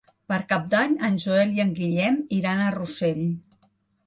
Per Cap d'Any en Joel i en Guillem iran a Rossell.